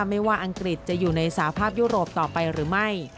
ไม่ว่าอังกฤษจะอยู่ในสาภาพยุโรปต่อไปหรือไม่